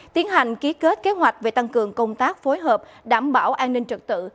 tiến hành ký kết kế hoạch về tăng cường công tác phối hợp đảm bảo an ninh trật tự